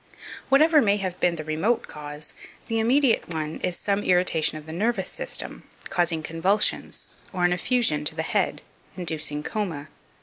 2520. Whatever may have been the remote cause, the immediate one is some irritation of the nervous system, causing convulsions, or an effusion to the head, inducing coma.